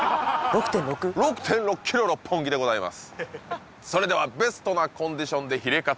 ６．６ｋｍ六本木でございます